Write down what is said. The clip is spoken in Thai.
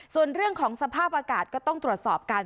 ส่วนเรื่องของสภาพอากาศก็ต้องตรวจสอบกัน